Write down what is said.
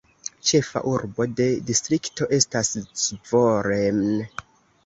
Ĉefa urbo de distrikto estas Zvolen.